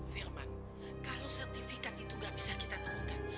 firman kalau sertifikat itu gak bisa kita temukan